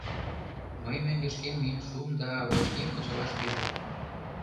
Мый мӧҥгышкем миен шуым да очким кычалаш пижым.